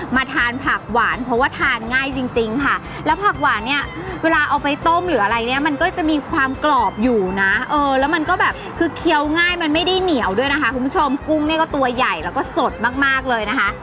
มาทานผักหวานเพราะว่าทานง่ายจริงจริงค่ะ